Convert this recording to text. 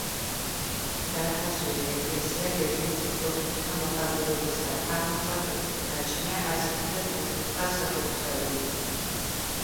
დარბაზული ეკლესია გეგმით სწორკუთხა მოხაზულობისაა, აღმოსავლეთით გააჩნია ასეთივე სწორკუთხა საკურთხეველი.